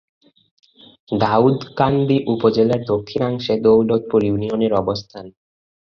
দাউদকান্দি উপজেলার দক্ষিণাংশে দৌলতপুর ইউনিয়নের অবস্থান।